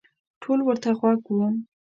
ټول ورته غوږ وو.